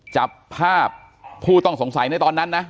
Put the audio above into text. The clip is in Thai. จับภาพผู้ต้องสงสัยในตอนนั้นนะ